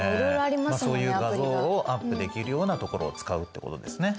そういう画像をアップできるようなところを使うってことですね。